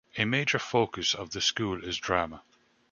A major focus of the school is drama.